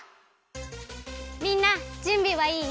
みんなじゅんびはいい？